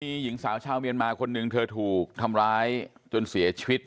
มีหญิงสาวชาวเมียนมาคนหนึ่งเธอถูกทำร้ายจนเสียชีวิต